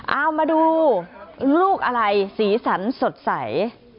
เอามาดูลูกอะไรสีสันสดใส